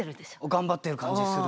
頑張ってる感じする。